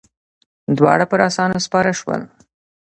دواړه پر آسونو سپاره شول.